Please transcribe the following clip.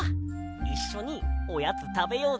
いっしょにおやつたべようぜ。